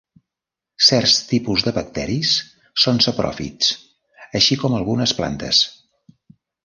Certs tipus de bacteris són sapròfits, així com algunes plantes.